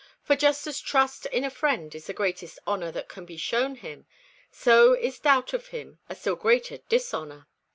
For just as trust in a friend is the greatest honour that can be shown him, so is doubt of him a still greater dishonour.